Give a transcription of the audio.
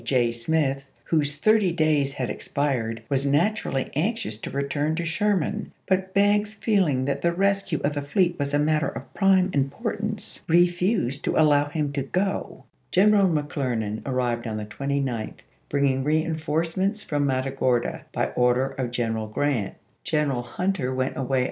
J. Smith, whose thirty days had expired, was naturally anxious to return to Sherman, but Banks feeling that the res cue of the fleet was a matter of prime importance, refused to allow him to go. General McClernand arrived on the 29th, bringing reenforcements from Matagorda by order of General Grant. General April, 1864. Admiral Porter, "The Naval History of the Civil War," p. 522.